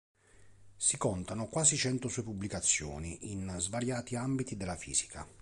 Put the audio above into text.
Si contano quasi cento sue pubblicazioni, in svariati ambiti della fisica.